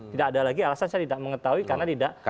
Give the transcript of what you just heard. tidak ada lagi alasan saya tidak mengetahui karena tidak